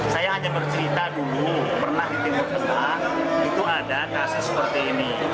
saya hanya bercerita dulu pernah di timur tengah itu ada kasus seperti ini